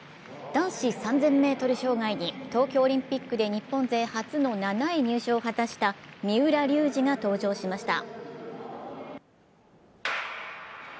男子３０００ｍ障害に東京オリンピックで日本勢初の７位入賞を果たした三浦龍司が登場しました。